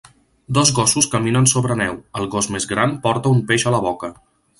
Dos gossos caminen sobre neu. El gos més gran porta un peix a la boca.